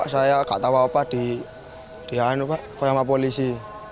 saya gak tau apa apa di mana sama polisi